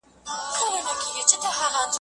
او دویمه «هوسۍ» بشپړه شوه.